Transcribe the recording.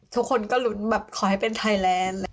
ทุกคนก็ลุ้นแบบขอให้เป็นไทยแลนด์